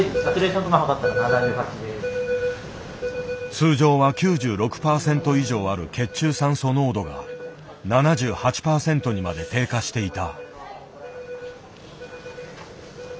通常は９６％以上ある血中酸素濃度が７８％にまで低下していた。